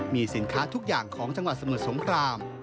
มีสินค้าทุกอย่างของจังหวัดสมุทรสงคราม